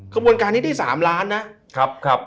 กระบวนการนี้ได้๓ล้านนะ